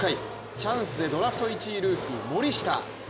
チャンスでドラフト１位ルーキー・森下。